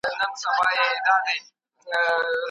د چین کمونست ګوند واک په لاس کي ونیو.